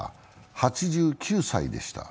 ８９歳でした。